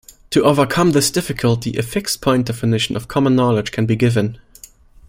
To overcome this difficulty, a "fixed-point" definition of common knowledge can be given.